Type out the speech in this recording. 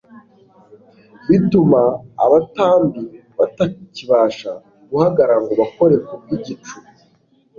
bituma abatambi batakibasha guhagarara ngo bakore ku bw'igicu